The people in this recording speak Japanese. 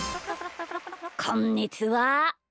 こんにちは。